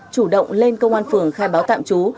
chủ động lên công an phường khai báo tạm trú